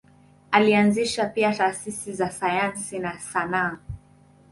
Alianzisha pia taasisi za sayansi na sanaa.